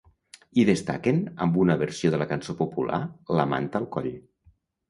Hi destaquen amb una versió de la cançó popular La manta al coll.